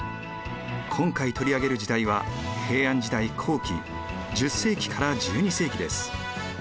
今回取り上げる時代は平安時代後期１０世紀から１２世紀です。